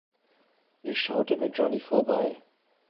Ich schaute mit Johnny vorbei.